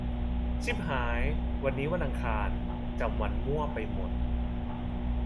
ชิบหาย วันนี้วันอังคาร จำวันมั่วไปหมด